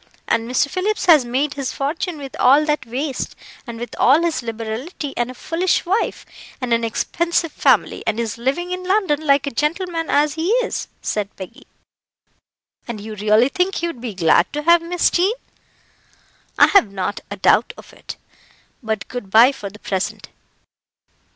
And Mr. Phillips has made his fortune with all that waste, and with all his liberality, and a foolish wife, and an expensive family, and is living in London like a gentleman as he is," said Peggy. "And you really think he would be glad to have Miss Jean?" "I have not a doubt of it; but good bye for the present.